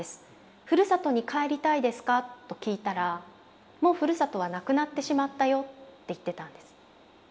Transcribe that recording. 「ふるさとに帰りたいですか」と聞いたら「もうふるさとはなくなってしまったよ」って言ってたんです。